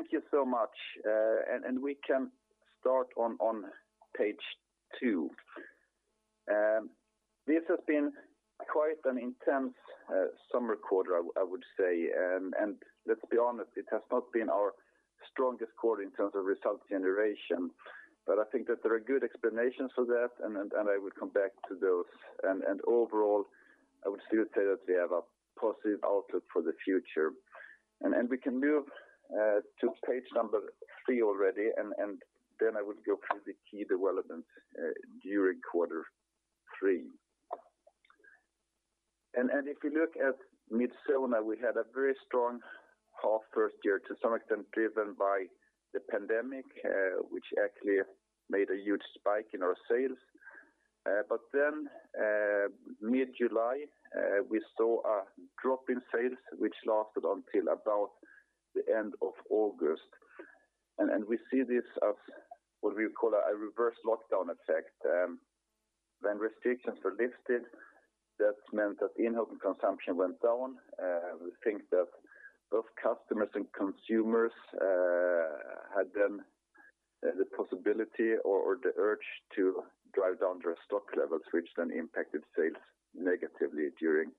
Thank you so much. We can start on page two. This has been quite an intense summer quarter, I would say. Let's be honest, it has not been our strongest quarter in terms of results generation. I think that there are good explanations for that, and I will come back to those. Overall, I would still say that we have a positive outlook for the future. We can move to page number three already, and then I will go through the key developments during quarter three. If we look at Midsona, we had a very strong half first year to some extent driven by the pandemic, which actually made a huge spike in our sales. Mid-July, we saw a drop in sales which lasted until about the end of August. We see this as what we call a reverse lockdown effect When restrictions were lifted, that meant that in-home consumption went down. We think that both customers and consumers had then the possibility or the urge to drive down their stock levels, which then impacted sales negatively during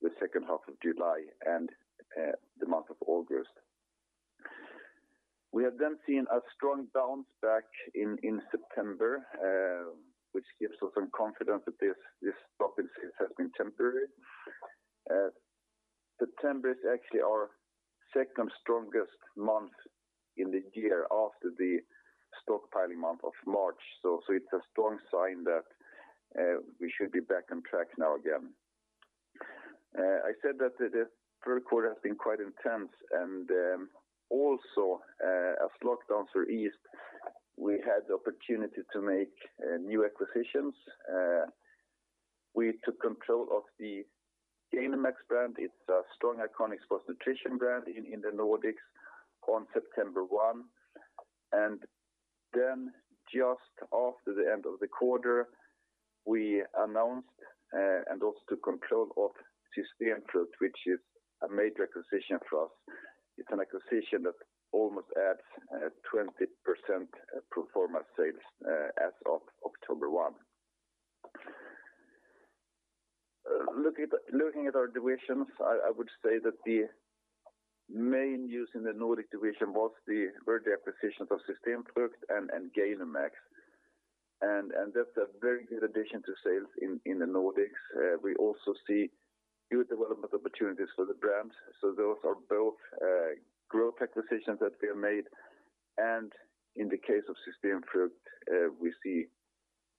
the second half of July and the month of August. We have seen a strong bounce back in September, which gives us some confidence that this drop in sales has been temporary. September is actually our second strongest month in the year after the stockpiling month of March. It's a strong sign that we should be back on track now again. I said that the third quarter has been quite intense, and also as lockdowns are eased, we had the opportunity to make new acquisitions. We took control of the Gainomax brand. It's a strong iconic sports nutrition brand in the Nordics on September 1. Just after the end of the quarter, we announced and also took control of System Frugt, which is a major acquisition for us. It's an acquisition that almost adds 20% pro forma sales as of October 1. Looking at our divisions, I would say that the main news in the Division Nordic was the acquisitions of System Frugt and Gainomax. That's a very good addition to sales in the Nordics. We also see new development opportunities for the brands. Those are both growth acquisitions that we have made, and in the case of System Frugt, we see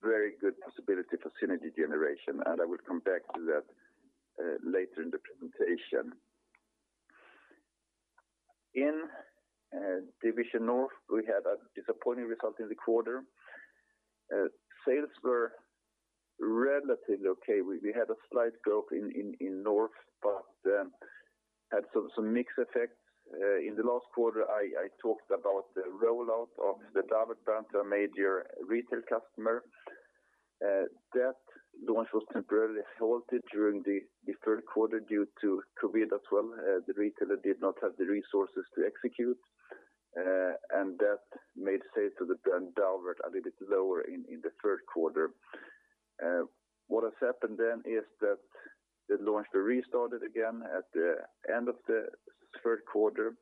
very good possibility for synergy generation, and I will come back to that later in the presentation. In Division North, we had a disappointing result in the quarter. Sales were relatively okay. We had a slight growth in North but had some mixed effects. In the last quarter, I talked about the rollout of the Davert brand to a major retail customer. That launch was temporarily halted during the third quarter due to COVID as well. did not have the resources to execute. That made sales of the brand Davert a little bit lower in the third quarter. What has happened is that the launch restarted again at the end of the third quarter,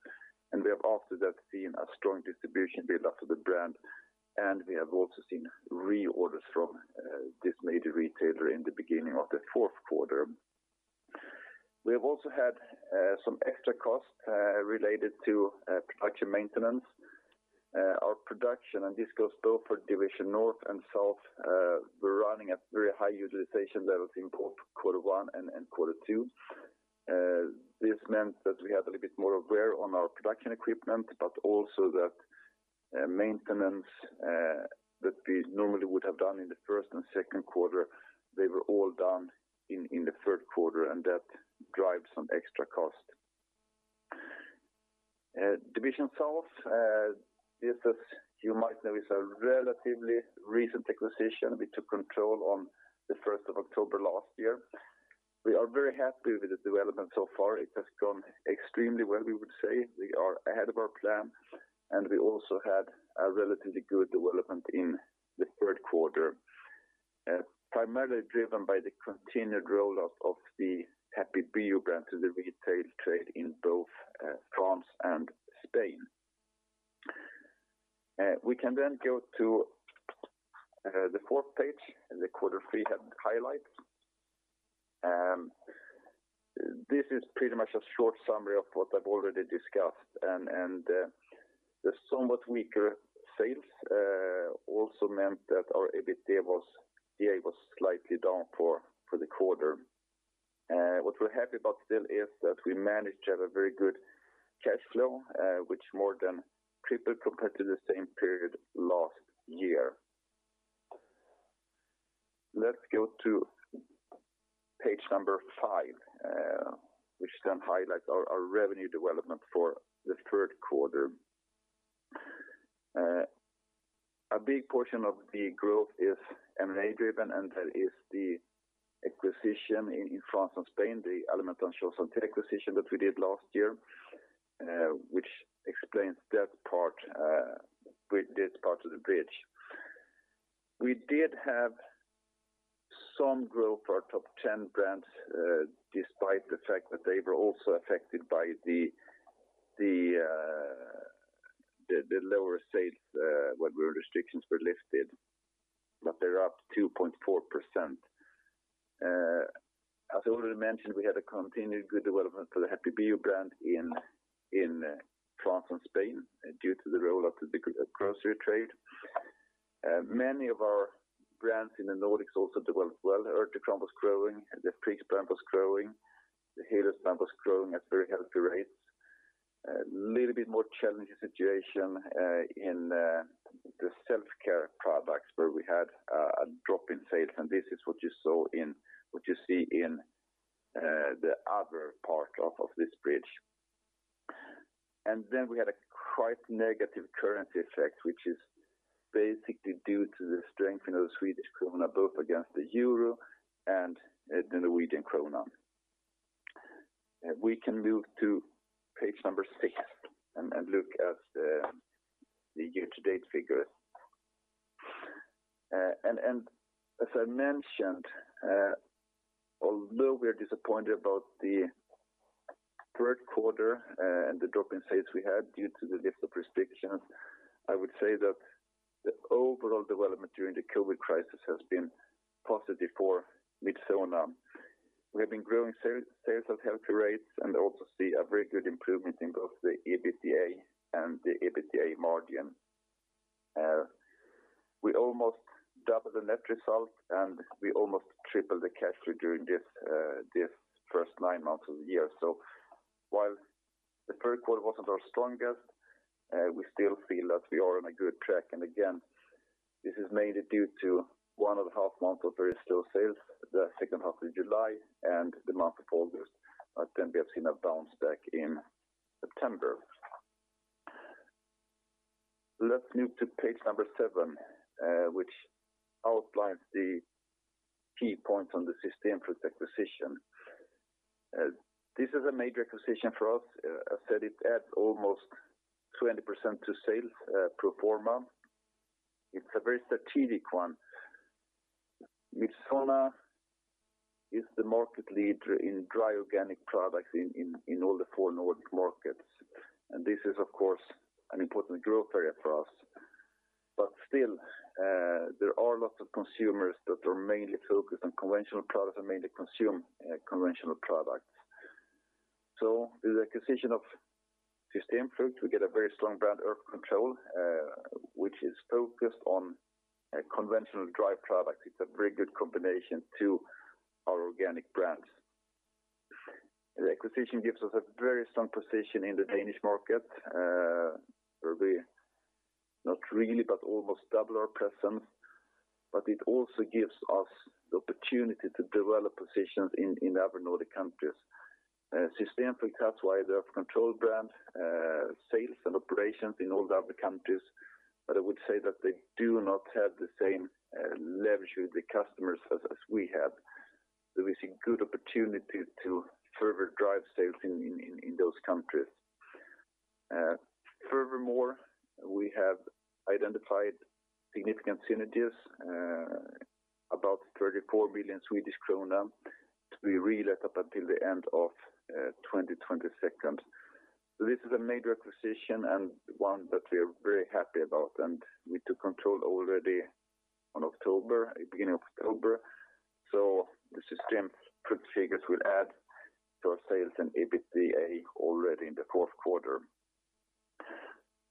We have after that seen a strong distribution build up of the brand, We have also seen reorders from this major retailer in the beginning of the fourth quarter. We have also had some extra costs related to production maintenance. Our production, this goes both for Division North and Division South, we're running at very high utilization levels in both quarter one and quarter two. This meant that we had a little bit more wear on our production equipment, but also that maintenance that we normally would have done in the first and second quarter, they were all done in the third quarter, and that drives some extra cost. Division South, as you might know, is a relatively recent acquisition. We took control on the 1st of October last year. We are very happy with the development so far. It has gone extremely well, we would say. We are ahead of our plan, and we also had a relatively good development in the third quarter primarily driven by the continued roll out of the Happy Bio brand to the retail trade in both France and Spain. We can go to the fourth page, the quarter three highlights. This is pretty much a short summary of what I've already discussed. The somewhat weaker sales also meant that our EBITDA was slightly down for the quarter. What we're happy about still is that we managed to have a very good cash flow, which more than tripled compared to the same period last year. Let's go to page number five which then highlights our revenue development for the third quarter. A big portion of the growth is M&A driven, and that is the acquisition in France and Spain, the Alimentation Santé acquisition that we did last year which explains this part of the bridge. We did have some growth for our top 10 brands, despite the fact that they were also affected by the lower sales when restrictions were lifted. They're up 2.4%. As already mentioned, we had a continued good development for the Happy Bio brand in France and Spain due to the role of the grocery trade. Many of our brands in the Nordics also developed well. The Urtekram was growing, the Friggs brand was growing, the Helios brand was growing at very healthy rates. Little bit more challenging situation in the self-care products where we had a drop in sales, and this is what you see in the other part of this bridge. Then we had a quite negative currency effect, which is basically due to the strengthening of the Swedish krona, both against the euro and the Norwegian krone. We can move to page number six and look at the year-to-date figures. As I mentioned, although we are disappointed about the third quarter and the drop in sales we had due to the lift of restrictions, I would say that the overall development during the COVID-19 crisis has been positive for Midsona. We have been growing sales at healthy rates also see a very good improvement in both the EBITDA and the EBITDA margin. We almost doubled the net result, we almost tripled the cash flow during this first nine months of the year. While the third quarter wasn't our strongest, we still feel that we are on a good track. Again, this is mainly due to one and a half months of very slow sales, the second half of July and the month of August. We have seen a bounce back in September. Let's move to page number seven, which outlines the key points on the System Frugt acquisition. This is a major acquisition for us. I said it adds almost 20% to sales pro forma. It's a very strategic one. Midsona is the market leader in dry organic products in all the four Nordic markets, and this is of course an important growth area for us. Still, there are lots of consumers that are mainly focused on conventional products and mainly consume conventional products. With the acquisition of System Frugt, we get a very strong brand, Earth Control, which is focused on conventional dry products. It's a very good combination to our organic brands. The acquisition gives us a very strong position in the Danish market, where we not really, but almost double our presence. It also gives us the opportunity to develop positions in other Nordic countries. System Frugt has wide Earth Control brand sales and operations in all the other countries, but I would say that they do not have the same leverage with the customers as we have. We see good opportunity to further drive sales in those countries. Furthermore, we have identified significant synergies, about 34 million Swedish krona to be realized up until the end of 2022. This is a major acquisition and one that we are very happy about, and we took control already beginning of October. The System Frugt figures will add to our sales and EBITDA already in the fourth quarter.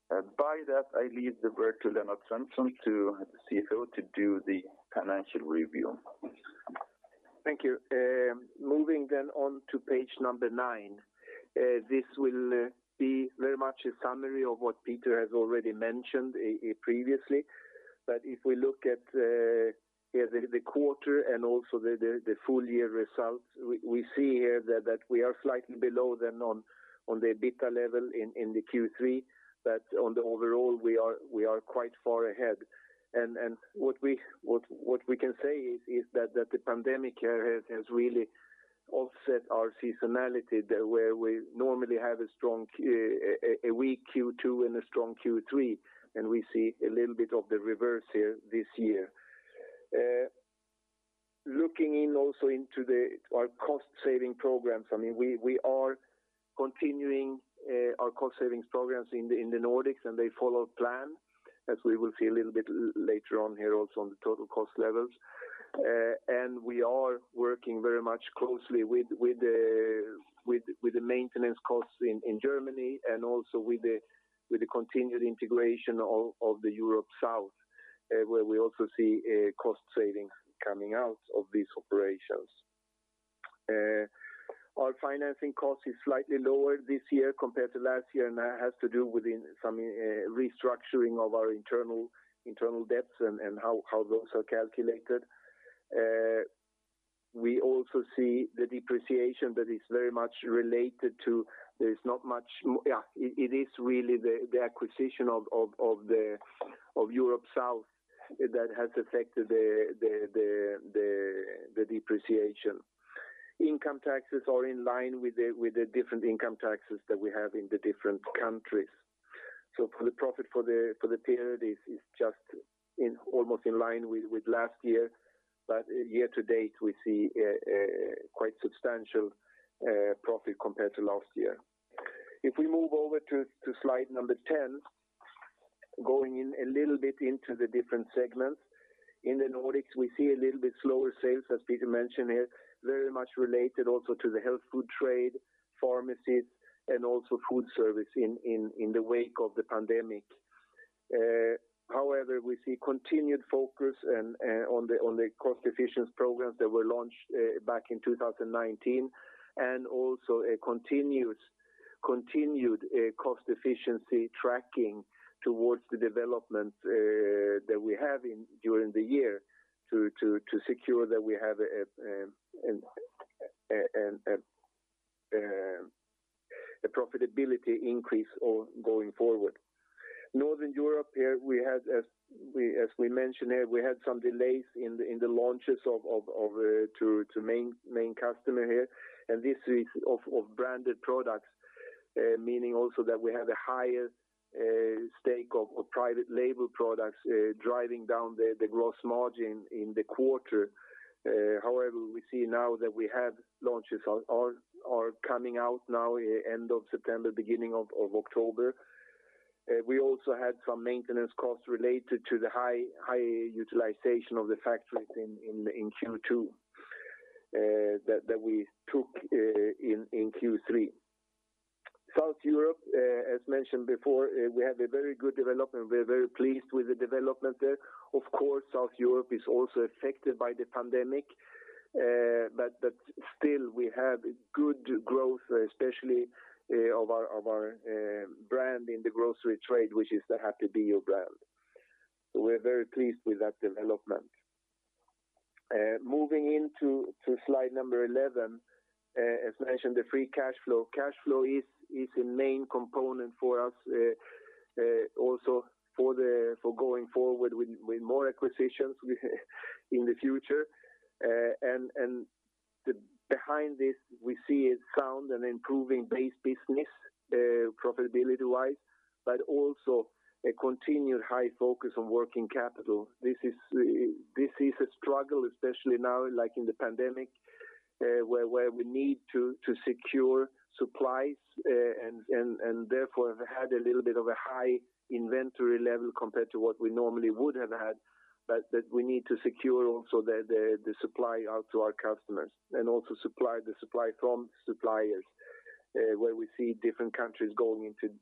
By that, I leave the word to Lennart Svensson, the CFO, to do the financial review. Thank you. Moving on to page nine. This will be very much a summary of what Peter has already mentioned previously. If we look at the quarter and also the full-year results, we see here that we are slightly below than on the EBITDA level in the Q3. On the overall, we are quite far ahead. What we can say is that the pandemic has really offset our seasonality, where we normally have a weak Q2 and a strong Q3, and we see a little bit of the reverse here this year. Looking in also into our cost-saving programs, we are continuing our cost-savings programs in the Nordics, and they follow plan, as we will see a little bit later on here also on the total cost levels. We are working very much closely with the maintenance costs in Germany and also with the continued integration of the Europe South, where we also see cost savings coming out of these operations. Our financing cost is slightly lower this year compared to last year. That has to do with some restructuring of our internal debts and how those are calculated. We also see the depreciation that is very much related to... It is really the acquisition of Europe South that has affected the depreciation. Income taxes are in line with the different income taxes that we have in the different countries. The profit for the period is just almost in line with last year. Year to date, we see quite substantial profit compared to last year. If we move over to slide 10, going a little bit into the different segments. In the Nordics, we see a little bit slower sale, as Peter mentioned here, very much related also to the health food trade, pharmacies, and also food service in the wake of the pandemic. We see continued focus on the cost-efficiency programs that were launched back in 2019, and also a continued cost efficiency tracking towards the development that we have during the year to secure that we have a profitability increase going forward. Northern Europe, as we mentioned here, we had some delays in the launches to main customer here. This is of branded products, meaning also that we have a higher stake of private label products driving down the gross margin in the quarter. We see now that we have launches are coming out now end of September, beginning of October. We also had some maintenance costs related to the high utilization of the factories in Q2 that we took in Q3. South Europe, as mentioned before, we have a very good development. We're very pleased with the development there. Of course, South Europe is also affected by the pandemic. But still, we have good growth, especially of our brand in the grocery trade, which is the Happy Bio brand. We're very pleased with that development. Moving into slide number 11, as mentioned, the free cash flow. Cash flow is a main component for us also for going forward with more acquisitions in the future. Behind this, we see a sound and improving base business profitability-wise, but also a continued high focus on working capital. This is a struggle, especially now in the pandemic, where we need to secure supplies and therefore have had a little bit of a high inventory level compared to what we normally would have had, that we need to secure also the supply out to our customers, and also the supply from suppliers, where we see different countries going into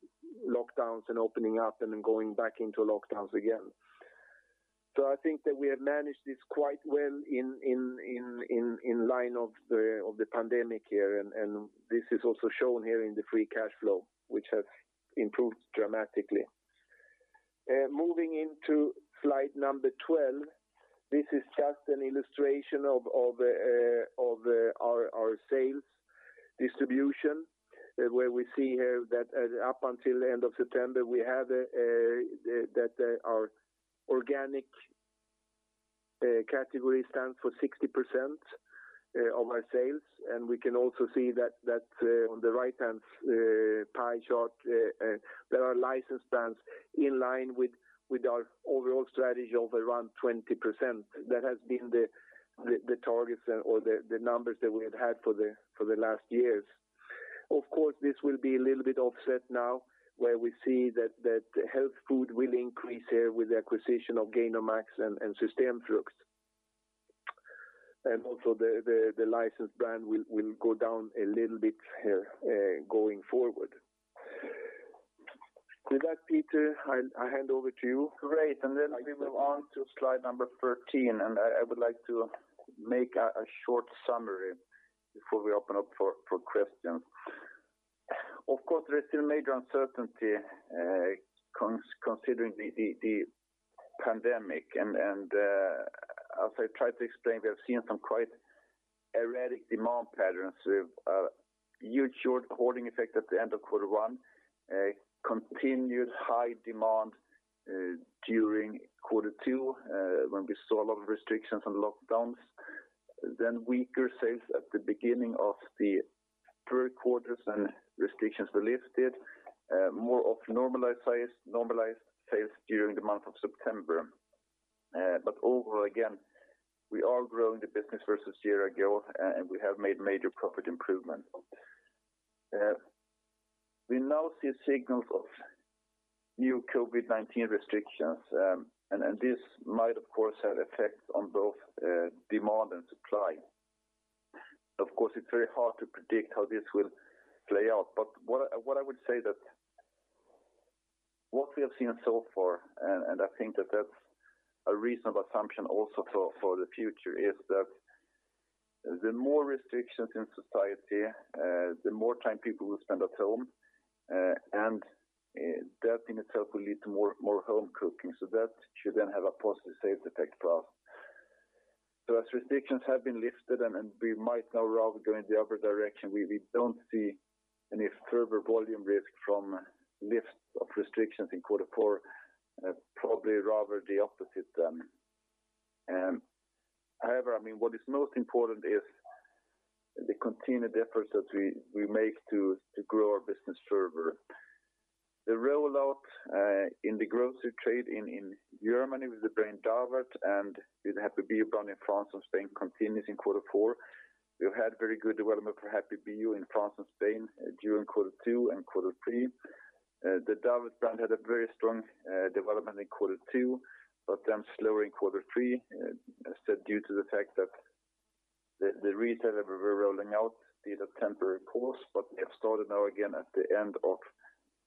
lockdowns and opening up and then going back into lockdowns again. I think that we have managed this quite well in line of the pandemic here, and this is also shown here in the free cash flow, which has improved dramatically. Moving into slide number 12, this is just an illustration of our sales distribution, where we see here that up until end of September, we have that our organic category stands for 60% of our sales. We can also see that on the right-hand pie chart, that our license brands in line with our overall strategy of around 20%. That has been the targets or the numbers that we have had for the last years. Of course, this will be a little bit offset now, where we see that health food will increase here with the acquisition of Gainomax and System Frugt. Also the licensed brand will go down a little bit here going forward. With that, Peter, I hand over to you. Great. Then we move on to slide number 13, and I would like to make a short summary before we open up for questions. Of course, there is still major uncertainty considering the pandemic. As I tried to explain, we have seen some quite erratic demand patterns with a huge short hoarding effect at the end of quarter one, a continued high demand during quarter two when we saw a lot of restrictions and lockdowns, then weaker sales at the beginning of the third quarter as restrictions were lifted, more of normalized sales during the month of September. Overall, again, we are growing the business versus year ago, and we have made major profit improvement. We now see signals of new COVID-19 restrictions, and this might, of course, have effects on both demand and supply. Of course, it's very hard to predict how this will play out. What I would say that what we have seen so far, and I think that that's a reasonable assumption also for the future, is that the more restrictions in society, the more time people will spend at home. And that in itself will lead to more home cooking. That should then have a positive safe effect for us. As restrictions have been lifted and we might now rather go in the other direction, we don't see any further volume risk from lift of restrictions in quarter four. Probably rather the opposite then. What is most important is the continued efforts that we make to grow our business further. The rollout in the grocery trade in Germany with the brand Davert and the Happy Bio brand in France and Spain continues in quarter four. We've had very good development for Happy Bio in France and Spain during quarter two and quarter three. The Davert brand had a very strong development in quarter two, but then slower in quarter three, as said due to the fact that the retailer we were rolling out did a temporary pause. We have started now again at the end of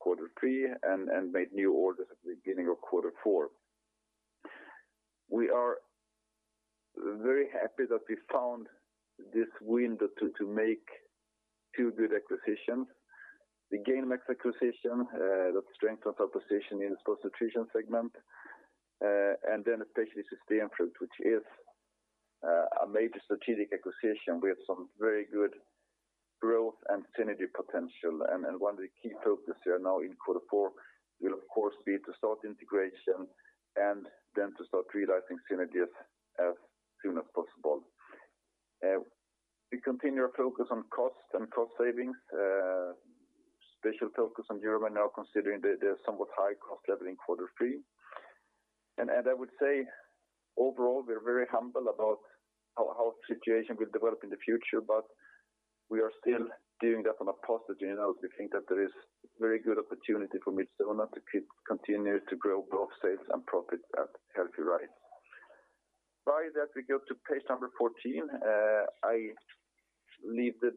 quarter three and made new orders at the beginning of quarter four. We are very happy that we found this window to make two good acquisitions. The Gainomax acquisition that strengthens our position in the sports nutrition segment, and then especially System Frugt, which is a major strategic acquisition with some very good growth and synergy potential. One of the key focuses here now in quarter four will of course be to start integration and then to start realizing synergies as soon as possible. We continue our focus on cost and cost savings, special focus on Europe right now considering the somewhat high-cost level in quarter three. I would say overall, we're very humble about how the situation will develop in the future, but we are still doing that on a positive. We think that there is very good opportunity for Midsona to keep continuing to grow both sales and profit at healthy rates. By that we go to page number 14. I leave the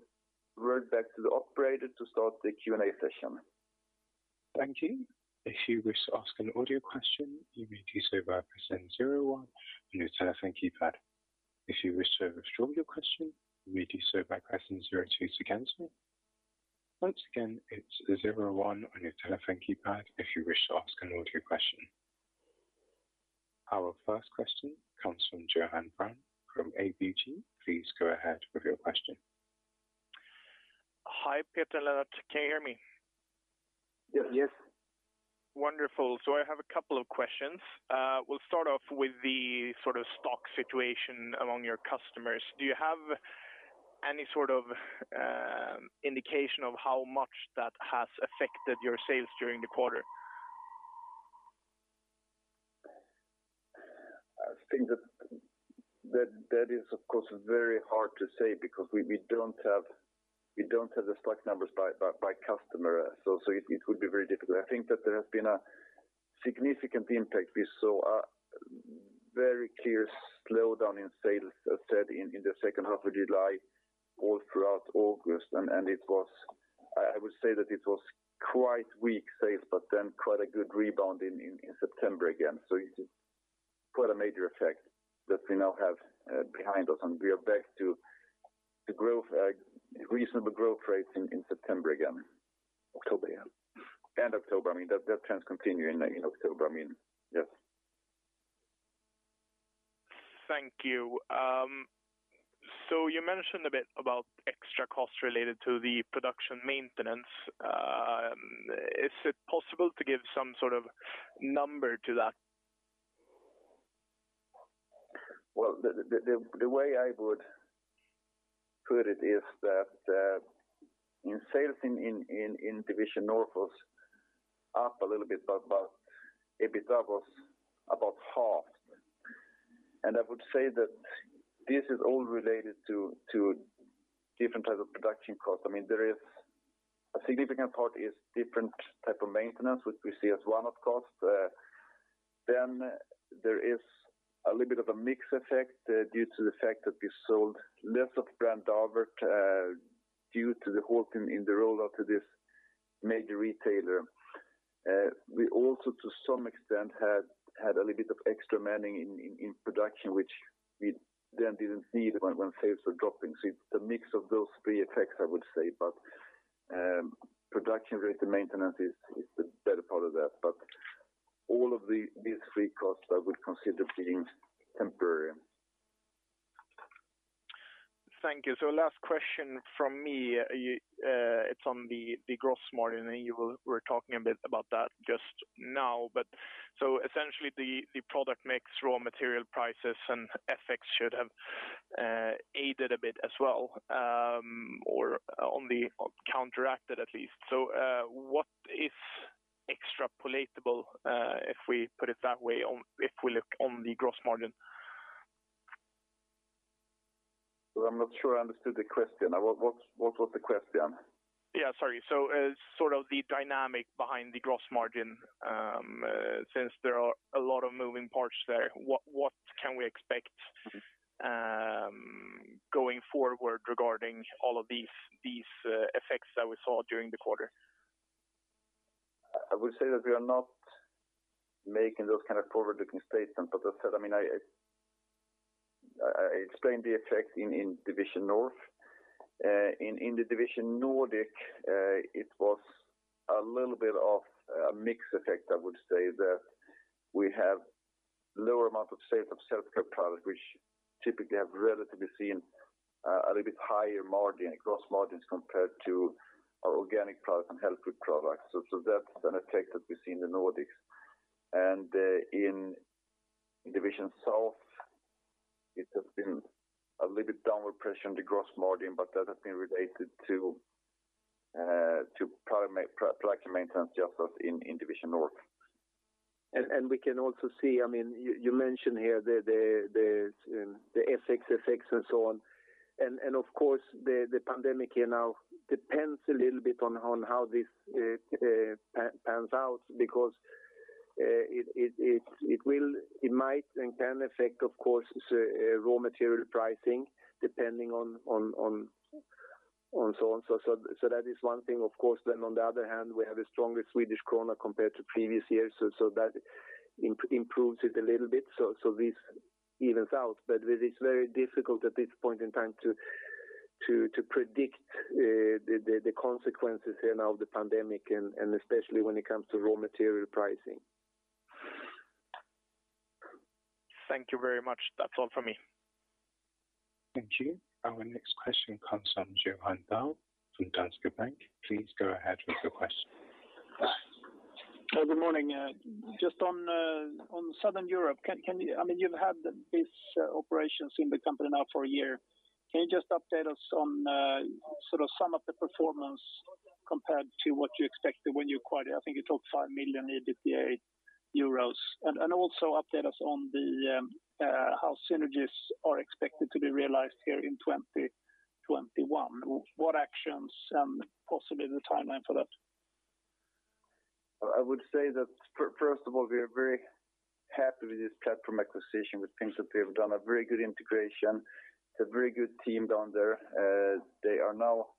word back to the operator to start the Q&A session. Thank you. If you wish to ask an audio question, you may do so by pressing zero one on your telephone keypad. If you wish to withdraw your question, you may do so by pressing zero two. Once again, it's zero one on your telephone keypad, if you wish to ask an audio question. First question comes from Johan Brown from ABG. Please go ahead with your question. Hi, Peter and Lennart. Can you hear me? Yes. Wonderful. I have a couple of questions. We'll start off with the stock situation among your customers. Do you have any sort of indication of how much that has affected your sales during the quarter? I think that is, of course, very hard to say because we don't have the stock numbers by customer. It would be very difficult. I think that there has been a significant impact. We saw a very clear slowdown in sales, as said in the second half of July, all throughout August. I would say that it was quite weak sales but then quite a good rebound in September again. It's quite a major effect that we now have behind us, and we are back to reasonable growth rates in September again. October. October. That trend continue in October. Yes. Thank you. You mentioned a bit about extra costs related to the production maintenance. Is it possible to give some sort of number to that? Well, the way I would put it is that sales in Division North was up a little bit, but EBITDA was about half. I would say that this is all related to different types of production costs. A significant part is different type of maintenance, which we see as one-off costs. There is a little bit of a mix effect due to the fact that we sold less of brand Davert due to the halting in the rollout of this major retailer. We also, to some extent, had a little bit of extra manning in production, which we then didn't need when sales were dropping. It's a mix of those three effects, I would say. Production rate and maintenance is the better part of that. All of these three costs I would consider being temporary. Thank you. Last question from me, it's on the gross margin, and you were talking a bit about that just now. Essentially the product mix, raw material prices, and FX should have aided a bit as well, or counteracted at least. What is extrapolatable, if we put it that way, if we look on the gross margin? I'm not sure I understood the question. What was the question? Yeah, sorry. Sort of the dynamic behind the gross margin, since there are a lot of moving parts there, what can we expect going forward regarding all of these effects that we saw during the quarter? I would say that we are not making those kind of forward-looking statements. As said, I explained the effect in Division North. In the Division Nordic, it was a little bit of a mixed effect, I would say that we have lower amount of sales of self-care products, which typically have relatively seen a little bit higher margin, gross margins compared to our organic products and health food products. That's an effect that we see in the Nordics. In Division South, it has been a little bit downward pressure on the gross margin, but that has been related to production maintenance just as in Division North. We can also see, you mentioned here the FX effects and so on. Of course, the pandemic here now depends a little bit on how this pans out because it might and can affect, of course, raw material pricing depending on so and so. That is one thing, of course. On the other hand, we have a stronger Swedish krona compared to previous years, so that improves it a little bit. This evens out, but it is very difficult at this point in time to predict the consequences here now of the pandemic and especially when it comes to raw material pricing. Thank you very much. That's all from me. Thank you. Our next question comes from Johan Dahl from Danske Bank. Please go ahead with your question. Good morning. Just on Southern Europe, you've had these operations in the company now for a year. Can you just update us on sum of the performance compared to what you expected when you acquired it? I think you took EUR 5 million EBITDA. Also update us on how synergies are expected to be realized here in 2021. What actions and possibly the timeline for that? I would say that, first of all, we are very happy with this platform acquisition. We think that we have done a very good integration. It's a very good team down there. They are now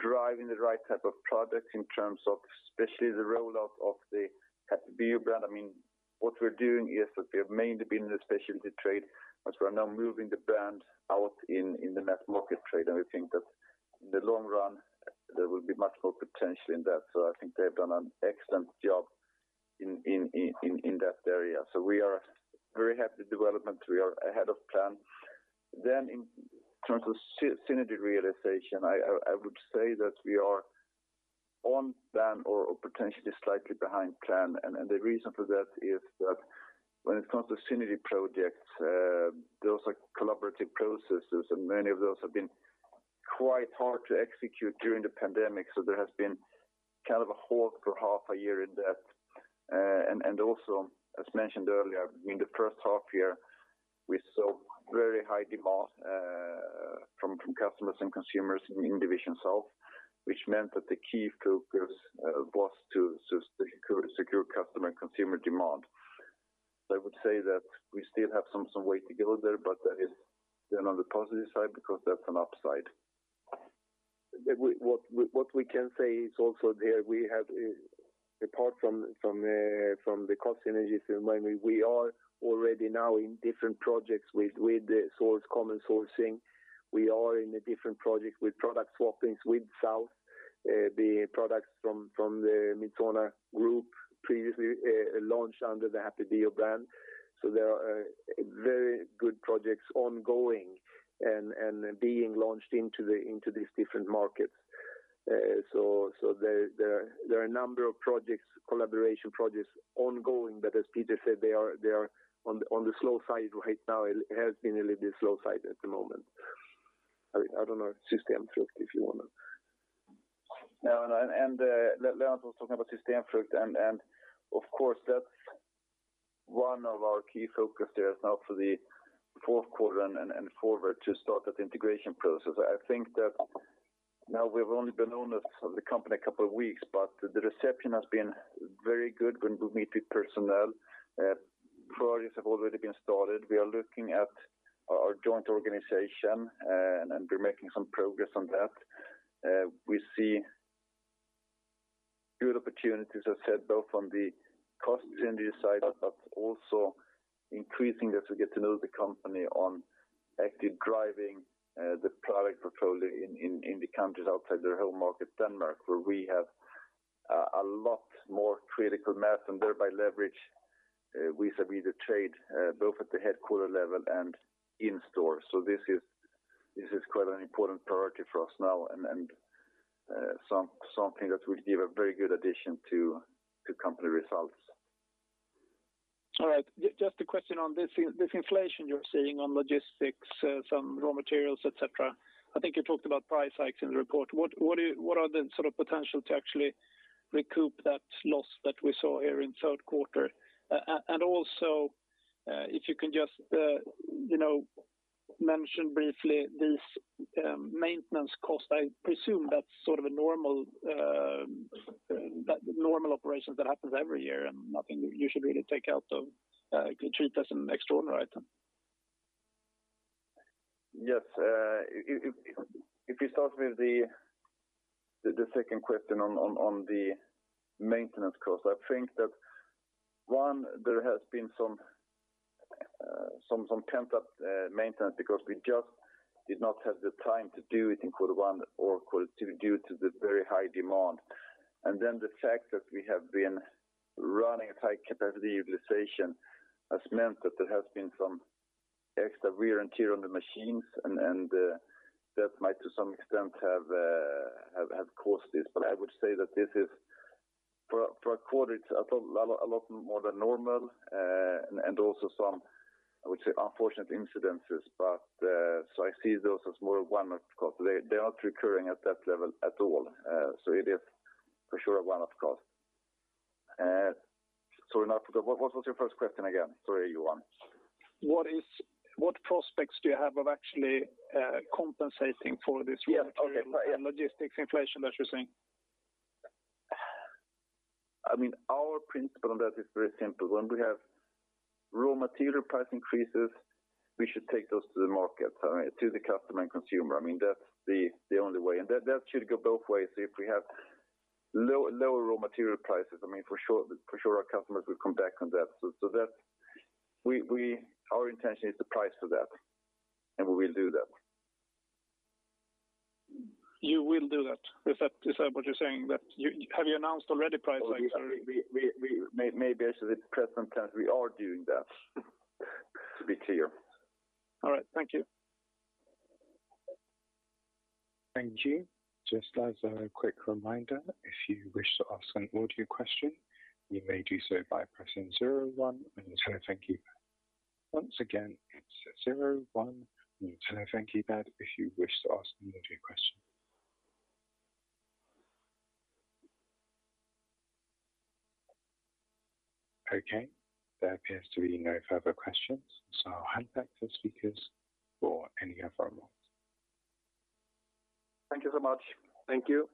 driving the right type of products in terms of especially the rollout of the Happy Bio brand. What we're doing is that we have mainly been in the specialty trade, but we are now moving the brand out in the mass market trade. We think that in the long run, there will be much more potential in that. I think they've done an excellent job in that area. We are very happy with the development. We are ahead of plan. In terms of synergy realization, I would say that we are on plan or potentially slightly behind plan. The reason for that is that when it comes to synergy projects, those are collaborative processes, and many of those have been quite hard to execute during the pandemic. There has been a halt for half a year in that. Also, as mentioned earlier, in the first half year, we saw very high demand from customers and consumers in Division South, which meant that the key focus was to secure customer and consumer demand. I would say that we still have some way to go there, but that is then on the positive side because that's an upside. What we can say is also there, apart from the cost synergies in mind, we are already now in different projects with the common sourcing. We are in a different project with product swappings with South. The products from the Midsona Group previously launched under the Happy Bio brand. There are very good projects ongoing and being launched into these different markets. There are a number of projects, collaboration projects ongoing, but as Peter said, they are on the slow side right now. It has been a little bit slow side at the moment. I don't know if System Frugt, if you want to. No. Lennart was talking about System Frugt, and of course, that's one of our key focus there now for the fourth quarter and forward to start that integration process. I think that now we've only been owners of the company a couple of weeks, but the reception has been very good when we meet with personnel. Projects have already been started. We are looking at our joint organization, and we're making some progress on that. We see good opportunities, as I said, both on the cost synergy side, but also increasing as we get to know the company on actively driving the product portfolio in the countries outside their home market, Denmark, where we have a lot more critical mass and thereby leverage with the trade both at the headquarter level and in store. This is quite an important priority for us now and something that will give a very good addition to company results. All right. Just a question on this inflation you're seeing on logistics, some raw materials, et cetera. I think you talked about price hikes in the report. What are the potential to actually recoup that loss that we saw here in third quarter? Also, if you can just mention briefly this maintenance cost, I presume that's normal operations that happens every year and nothing you should really treat as an extraordinary item? Yes. If you start with the second question on the maintenance cost. I think that one, there has been some [temp maintenance] because we just did not have the time to do it in quarter one or quarter two due to the very high demand. The fact that we have been running a high capacity utilization has meant that there has been some extra wear and tear on the machines, and that might, to some extent, have caused this. I would say that this is, per quarter, it's a lot more than normal, and also some, I would say, unfortunate incidences. I see those as more one-off costs. They are not recurring at that level at all. It is for sure a one-off cost. Sorry, what was your first question again? Sorry, Johan. What prospects do you have of actually compensating for this logistics inflation that you're seeing? Our principle on that is very simple. When we have raw material price increases, we should take those to the market, to the customer and consumer. That's the only way. That should go both ways. If we have lower raw material prices, for sure our customers will come back on that. Our intention is to price for that, and we will do that. You will do that? Is that what you're saying? Have you announced already price hikes, or? Maybe I should say at present tense, we are doing that, to be clear. All right. Thank you. Thank you. Just as a quick reminder, if you wish to ask an audio question, you may do so by pressing zero one on your telephone keypad. Once again, it's zero one on your telephone keypad if you wish to ask an audio question. Okay, there appears to be no further questions. I'll hand back to the speakers for any other remarks. Thank you so much. Thank you.